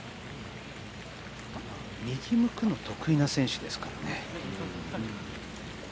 右向くの得意な選手ですからね。